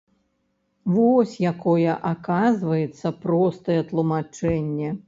Вось якое, аказваецца, простае тлумачэнне!